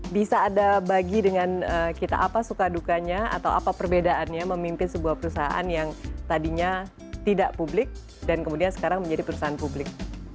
bisa anda bagi dengan kita apa suka dukanya atau apa perbedaannya memimpin sebuah perusahaan yang tadinya tidak publik dan kemudian sekarang menjadi perusahaan publik